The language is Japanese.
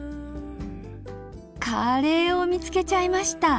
カレーを見つけちゃいました。